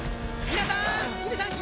皆さーん！